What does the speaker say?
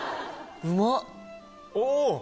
うまっ。